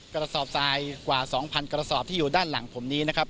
กระสอบทรายกว่า๒๐๐กระสอบที่อยู่ด้านหลังผมนี้นะครับ